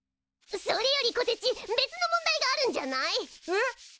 それよりこてち別の問題があるんじゃない？えっ！？